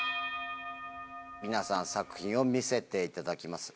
皆さん作品を見せていただきます。